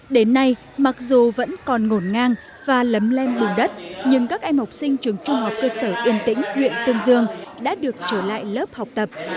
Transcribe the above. đến nay mặc dù vẫn còn ngổn ngang và lấm lên bùn đất nhưng các em học sinh trường trung học cơ sở yên tĩnh huyện tương dương đã được trở lại lớp học tập